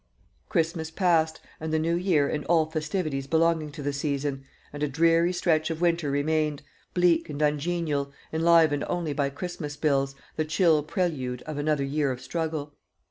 Christmas passed, and the new year and all festivities belonging to the season, and a dreary stretch of winter remained, bleak and ungenial, enlivened only by Christmas bills, the chill prelude of another year of struggle.